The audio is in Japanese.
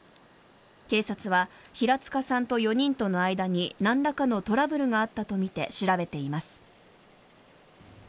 警察は平塚さんと４人との間になんらかのトラブルがあったとみて調べています。